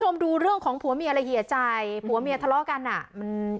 คุณผู้ชมดูเรื่องของผัวเมียและเหยียใจผัวเมียทะเลาะกันอ่ะมัน